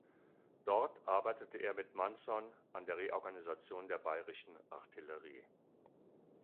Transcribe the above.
Dort arbeitete er mit Manson an der Reorganisation der bayerischen Artillerie.